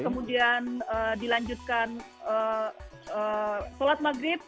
kemudian dilanjutkan sholat maghrib